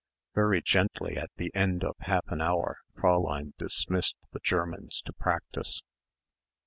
Very gently at the end of half an hour Fräulein dismissed the Germans to practise.